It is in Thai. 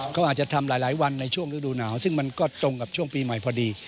เขาอาจจะทำหลายวันในช่วงฤดูหนาวซึ่งมันก็ตรงกับช่วงปีใหม่พอดี